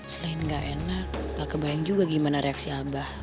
selain gak enak gak kebayang juga gimana reaksi abah